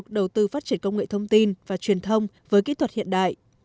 tích cực đầu tư phát triển công nghệ thông tin và truyền thông với kỹ thuật hiện đại